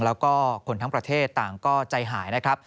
แล้วก็คนทั้งประเทศต่างก็ใจหายนะครับ